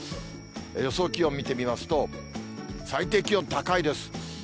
予想気温見てみますと、最低気温高いです。